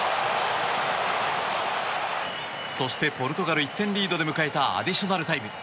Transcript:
そしてポルトガル１点リードで迎えたアディショナルタイム。